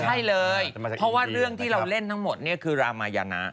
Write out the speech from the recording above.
ใช่เลยเพราะว่าเรื่องที่เราเล่นทั้งหมดเนี่ยคือรามายนะ